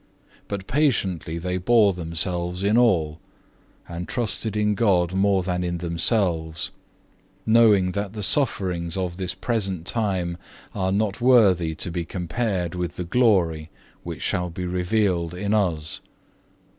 But patiently they bore themselves in all, and trusted in God more than in themselves, knowing that the sufferings of this present time are not worthy to be compared with the glory which shall be revealed in us.